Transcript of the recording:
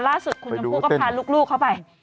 ล่าสุดคุณชมพู่ก็พาลูกเข้าไป